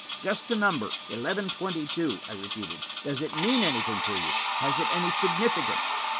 "Just the number, eleven twenty two," I repeated. "Does it mean anything to you? Has it any significance?"